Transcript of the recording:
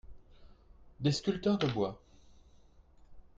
des sculpteurs de bois.